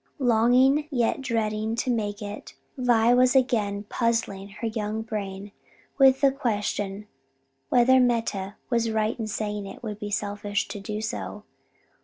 Longing, yet dreading to make it, Vi was again puzzling her young brain with the question whether Meta was right in saying it would be selfish to do so.